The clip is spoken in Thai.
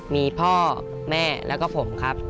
มีพ่อแม่แล้วก็ผมครับ